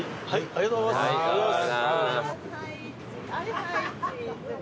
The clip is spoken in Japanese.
ありがとうございます。